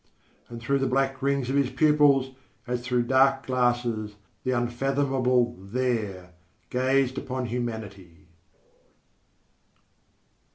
_ And through the black rings of his pupils, as through dark glasses, the unfathomable There gazed upon humanity.